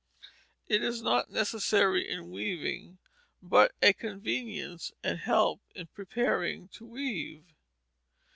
It is not necessary in weaving, but a convenience and help in preparing to weave.